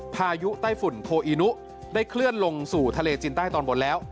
พายุไต้ฝุ่นโทอีนุได้เคลื่อนลงสู่ทะเลจีนใต้ตอนบนแล้ว